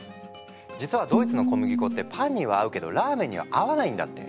実はドイツの小麦粉ってパンには合うけどラーメンには合わないんだって。